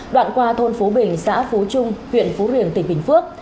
đoạn qua thôn phú bình xã phú trung huyện phú riềng tỉnh bình phước